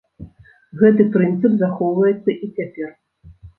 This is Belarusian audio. Гэты прынцып захоўваецца і цяпер.